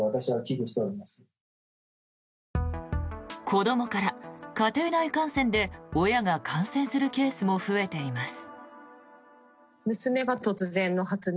子どもから家庭内感染で親が感染するケースも増えています。